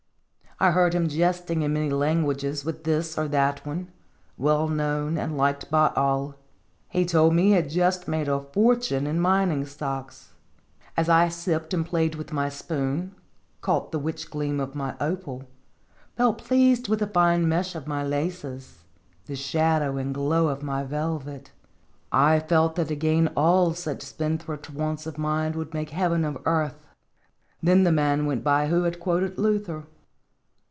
I heard him jesting in many languages with this or that one, well known and liked by all. He told me he had just made a fortune in min ing stocks. As I sipped and played with my spoon, caught the witch gleam of my opal, felt pleased with the fine mesh of my laces, the shadow and glow of my velvet, I felt that to gain all such spendthrift wants of mine would make heaven of earth. Then the man went by who had quoted Luther.